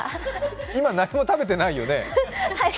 今、何も食べてないよね？